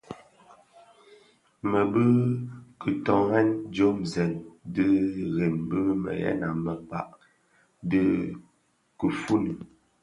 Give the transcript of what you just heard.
Më bi kitoňèn diomzèn di rèm bi mëyëna mëkpa dhi kifuni.